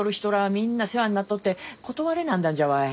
みんな世話になっとって断れなんだんじゃわい。